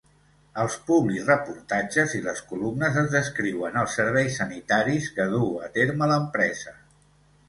Als publireportatges i les columnes es descriuen els serveis sanitaris que duu a terme l'empresa.